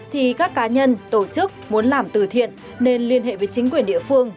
thì các cá nhân tổ chức muốn làm từ thiện nên liên hệ với chính quyền địa phương